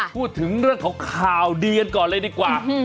พูดถึงเรื่องของข่าวดีกันก่อนเลยดีกว่า